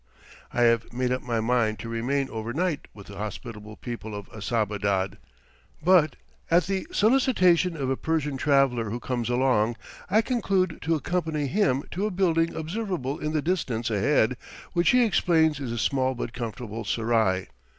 I have about made up my mind to remain over night with the hospitable people of Assababad; but at the solicitation of a Persian traveller who comes along, I conclude to accompany him to a building observable in the distance ahead which he explains is a small but comfortable serai.